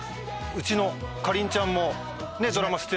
うちのかりんちゃんも。